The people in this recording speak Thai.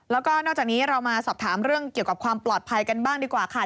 แล้วก็นอกจากนี้เรามาสอบถามเรื่องเกี่ยวกับความปลอดภัยกันบ้างดีกว่าค่ะ